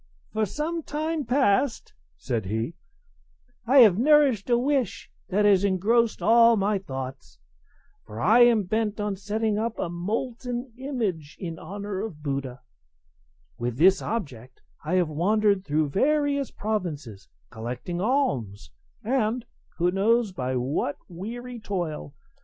"For some time past," said he, "I have nourished a wish that has engrossed all my thoughts; for I am bent on setting up a molten image in honour of Buddha; with this object I have wandered through various provinces collecting alms, and (who knows by what weary toil?)